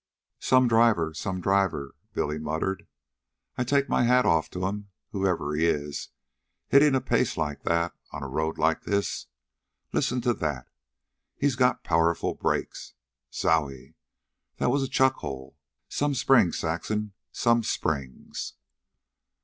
"Some driver, some driver," Billy muttered. "I take my hat off to 'm whoever he is, hittin' a pace like that on a road like this. Listen to that! He's got powerful brakes. Zocie! That WAS a chuck hole! Some springs, Saxon, some springs!"